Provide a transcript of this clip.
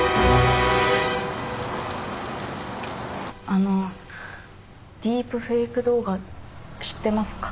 あのディープフェイク動画知ってますか？